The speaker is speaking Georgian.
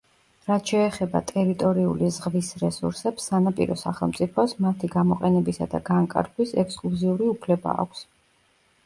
რაც შეეხება ტერიტორიული ზღვის რესურსებს, სანაპირო სახელმწიფოს მათი გამოყენებისა და განკარგვის ექსკლუზიური უფლება აქვს.